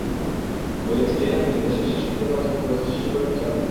বলেছিলে না তুমি দেশের শাসকদের মাঝে ভয় সৃষ্টি করতে চাও?